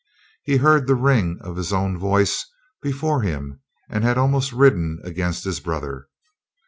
He heard the ring of his own voice before him and had almost ridden against his brother.